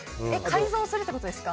改造するってことですか？